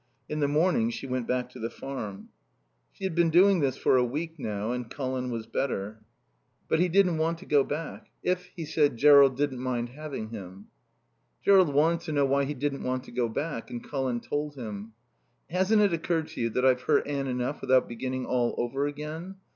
In the morning she went back to the Farm. She had been doing this for a week now, and Colin was better. But he didn't want to go back. If, he said, Jerrold didn't mind having him. Jerrold wanted to know why he didn't want to go back and Colin told him. "Hasn't it occurred to you that I've hurt Anne enough without beginning all over again?